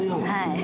はい。